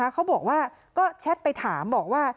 เขาบอกว่าก็แชทไปถามบอกว่า